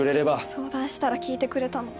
相談したら聞いてくれたの？